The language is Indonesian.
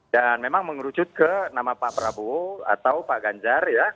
dan memang mengerucut ke nama pak prabowo atau pak ganjar ya